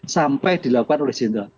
sampai dilakukan oleh sindir